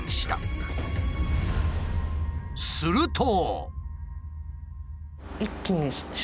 すると。